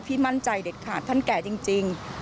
มั่นใจเด็ดขาดท่านแก่จริง